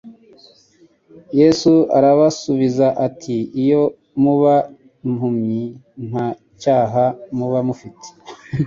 Yesu arabasubiza ati: "Iyo muba impumyi nta cyaha muba mufite."